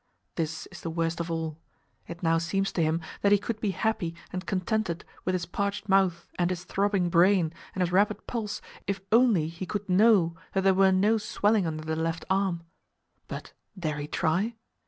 This is the worst of all; it now seems to him that he could be happy and contented with his parched mouth and his throbbing brain and his rapid pulse, if only he could know that there were no swelling under the left arm; but dare he try?